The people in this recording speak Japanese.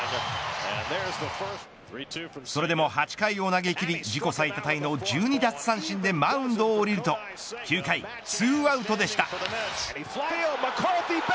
それでも８回を投げきり自己最多タイの１２奪三振でマウンドを降りると９回２アウトでした。